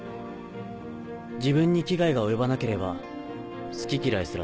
自分に危害が及ばなければ好き嫌いすら